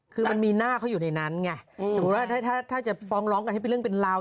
คือมันมีหน้าเขาอยู่ในนั้นไงสมมุติว่าถ้าจะฟ้องร้องกันให้เป็นเรื่องเป็นราว